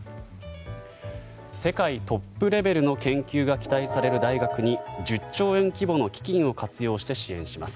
世界トップレベルの研究が期待される大学に１０兆円規模の基金を活用して支援します。